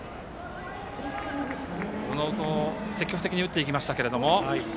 積極的に打っていきましたけれども。